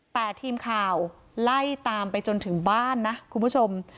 แต่ทีมข่าวไล่ตามไปจนถึงบ้านนะคุณผู้ชม